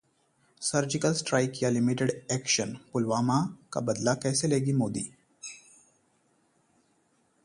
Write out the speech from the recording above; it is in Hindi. सर्जिकल स्ट्राइक या लिमिटेड एक्शन, पुलवामा का बदला कैसे लेंगे मोदी?